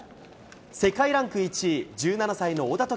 世界ランク１位、１７歳の小田凱